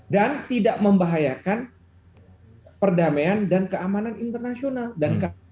dan tidak membahayakan perdamaian dan keamanan internasional dan keadilan